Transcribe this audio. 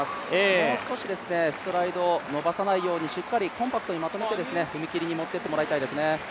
もう少し、ストライドを伸ばさないようにしっかりコンパクトにまとめて、踏切に持っていってほしいですね。